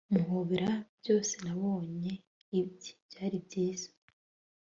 muhobera byose nabonye, ibye byari byiza ..